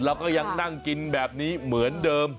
เราก็ยังนั่งกินแบบนี้เหมือนเดิม